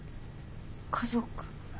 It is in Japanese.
家族。